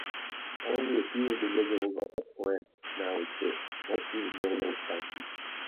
Only a few individuals of the plant now exist, mostly in Yolo County.